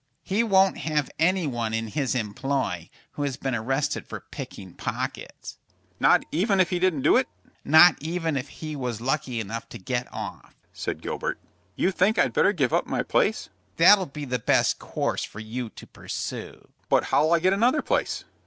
He won't have any one in his employ who has been arrested for picking pockets." "Not even if he didn't do it?" "Not even if he was lucky enough to get off," said Gilbert. "You think I'd better give up my place?" "That'll be the best course for you to pursue." "But how'll I get another place?"